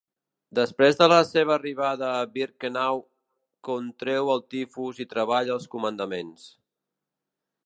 Després de la seva arribada a Birkenau, contreu el tifus i treballa als comandaments.